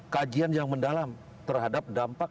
kajian yang mendalam terhadap dampak